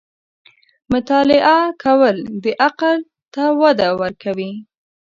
• مطالعه کول، د عقل ته وده ورکوي.